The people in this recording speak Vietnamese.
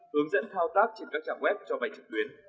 hướng dẫn thao tác trên các trang web cho vay trực tuyến